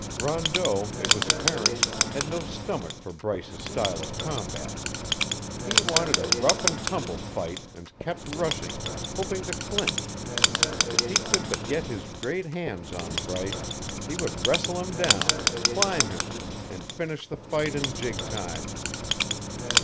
Rondeau, it was apparent, had no stomach for Bryce's style of combat. He wanted a rough and tumble fight and kept rushing, hoping to clinch; if he could but get his great hands on Bryce, he would wrestle him down, climb him, and finish the fight in jig time.